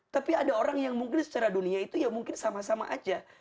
tapi ada orang yang mungkin secara dunia itu ya mungkin sama sama aja